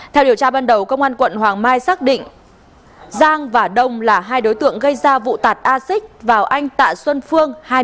theo điều tra ban đầu công an quận hoàng mai xác định giang và đông là hai đối tượng gây ra vụ tạt a xích vào anh tạ xuân phương